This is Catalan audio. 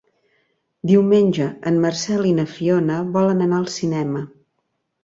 Diumenge en Marcel i na Fiona volen anar al cinema.